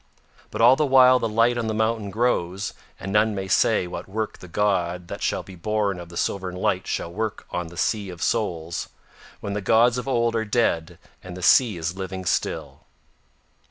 But all the while the light on the mountain grows, and none may say what work the god that shall be born of the silvern light shall work on the Sea of Souls, when the gods of Old are dead and the Sea is living still.